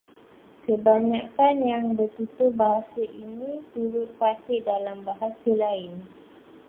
Kebanyakan yang bertutur bahasa ini turut fasih dalam bahasa lain